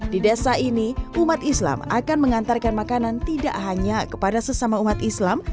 di desa ini umat islam akan mengantarkan makanan tidak hanya kepada sesama umat islam